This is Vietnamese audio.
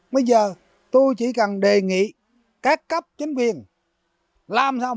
bây giờ tôi chỉ cần đề nghị các cấp chánh quyền làm sao